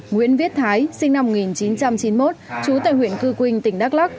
nguyễn viết thái sinh năm một nghìn chín trăm chín mươi một trú tại huyện cư quynh tỉnh đắk lắc